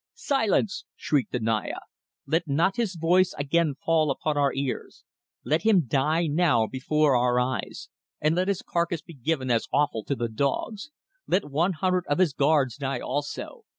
"Silence!" shrieked the Naya. "Let not his voice again fall upon our ears. Let him die now, before our eyes, and let his carcase be given as offal to the dogs. Let one hundred of his guards die also.